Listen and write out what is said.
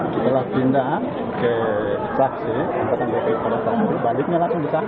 setelah pindah ke saksi baliknya langsung disahkan